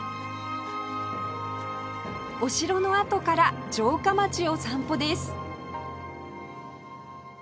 お城の跡から城下町を散歩です